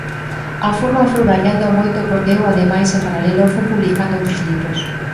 A forma foi variando moito porque eu ademais en paralelo fun publicando outros libros.